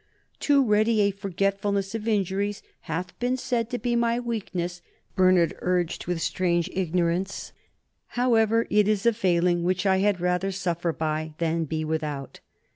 "Too ready a forgetfulness of injuries hath been said to be my weakness," Bernard urged with strange ignorance. "However, it is a failing which I had rather suffer by than be without."